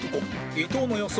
伊藤の予想